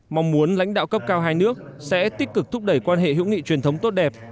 mong muốn lãnh đạo cấp cao hai nước sẽ tích cực thúc đẩy quan hệ hữu nghị truyền thống tốt đẹp